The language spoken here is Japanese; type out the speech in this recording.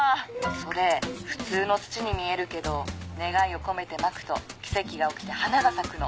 それ普通の土に見えるけど願いを込めてまくと奇跡が起きて花が咲くの。